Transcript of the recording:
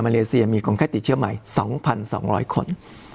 เลเซียมีคนไข้ติดเชื้อใหม่๒๒๐๐คน